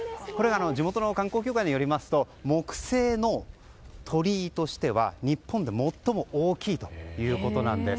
地元の観光協会によりますと木製の鳥居としては日本で最も大きいということです。